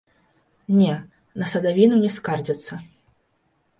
Не, на садавіну не скардзяцца!